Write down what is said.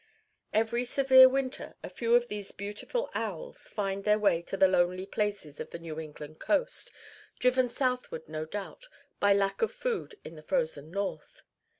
Every severe winter a few of these beautiful owls find their way to the lonely places of the New England coast, driven southward, no doubt, by lack of food in the frozen north.